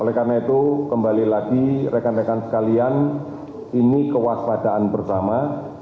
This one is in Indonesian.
oleh karena itu kembali lagi rekan rekan sekalian ini kewaspadaan bersama